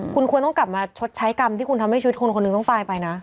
คุณควรต้องกลับมาชดใช้กรรมที่คุณทำให้ชีวิตคนคนหนึ่งต้องตายไปนะ